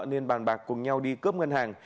nên bàn bạc cùng nhau đi cướp ngân hàng